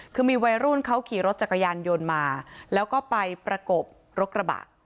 คือมีวัยรุ่นเขาขี่รถจักรยานยนต์มาแล้วก็ไปประกบรถกระบะ